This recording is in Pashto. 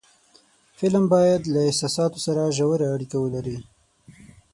فلم باید له احساساتو سره ژور اړیکه ولري